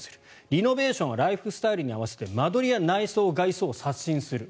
リノベーションはライフスタイルに合わせて間取りや内装、外装を刷新する。